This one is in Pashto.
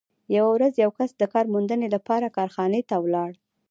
یوه ورځ یو کس د کار موندنې لپاره کارخانې ته ولاړ